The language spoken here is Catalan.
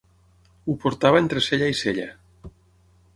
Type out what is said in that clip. Ho portava entre cella i cella.